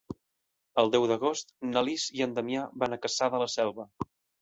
El deu d'agost na Lis i en Damià van a Cassà de la Selva.